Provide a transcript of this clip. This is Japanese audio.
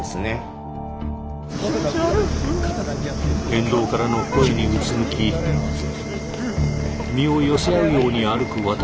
沿道からの声にうつむき身を寄せ合うように歩く私たち。